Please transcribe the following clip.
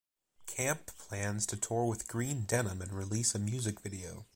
Camp plans to tour with Green Denim and release a music video.